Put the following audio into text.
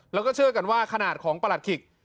แล้วก็เชื่อกันว่าขนาดของประหลัดขิก